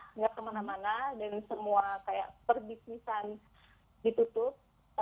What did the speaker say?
tidak kemana mana dan semua perdipisan ditutup